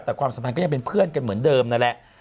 แต่ความสัมพันธ์ก็ยังเป็นเพื่อนกันเหมือนเดิมนั่นแหละ